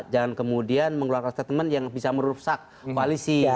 jangan kemudian mengeluarkan statement yang bisa merusak koalisi